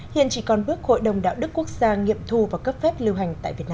hiện chỉ còn bước hội đồng đạo đức quốc gia nghiệm thu và cấp phép lưu hành